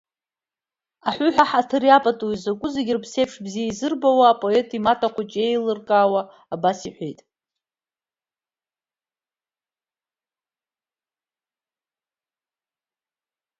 Аҳәыҳә аҳаҭыри апатуи закәу, зегьы рыԥсеиԥш бзиа изырбауа апоет имоҭа хәыҷы иеилыркаауа абас иҳәеит.